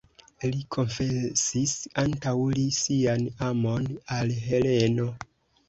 Li konfesis antaŭ li sian amon al Heleno.